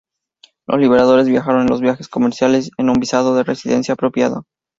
Los liberados viajaron en vuelos comerciales con un visado de residencia apropiado.